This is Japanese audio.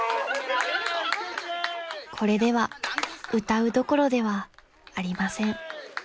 ［これでは歌うどころではありません］